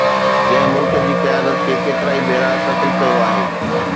جنهن ملڪ جي قيادت کي ڪيترائي ڀيرا قتل ڪيو آهي